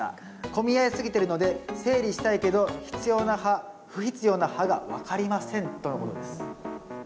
混み合いすぎてるので整理したいけど必要な葉不必要な葉が分かりません」とのことです。